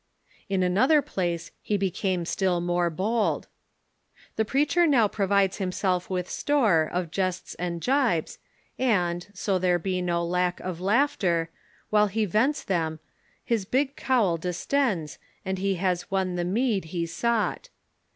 In another place he became still more bold :" The preacher now provides himself with store Of jests and gibes ; and, so there be no lack Of laughter, while he vents them, his big cowl Distends, and he has won the meed he sought.